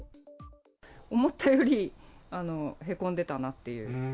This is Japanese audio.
思ったよりへこんでたなっていう。